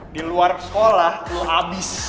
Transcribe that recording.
di luar sekolah lu habis